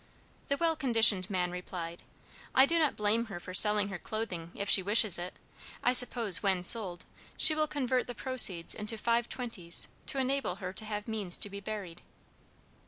"The well conditioned man replied: 'I do not blame her for selling her clothing, if she wishes it. I suppose when sold she will convert the proceeds into five twenties to enable her to have means to be buried.'